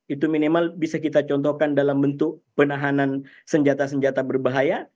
itu minimal bisa kita contohkan dalam bentuk penahanan senjata senjata berbahaya